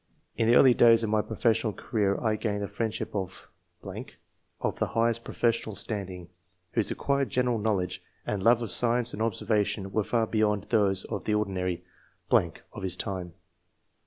In the early days of my professional career I gained the friendship of ...., of the highest pro fessional standing, whose acquired general knowledge and love of science and observation were far beyond those of the ordinary .... of his time.